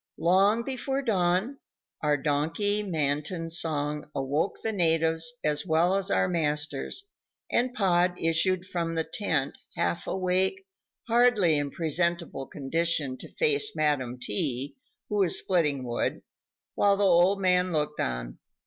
Long before dawn, our donkey matin song awoke the natives as well as our masters, and Pod issued from the tent, half awake, hardly in presentable condition to face Madam T., who was splitting wood, while the old man looked on.